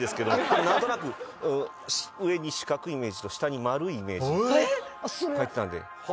これ何となく上に四角いイメージと下に丸いイメージ描いてたんで。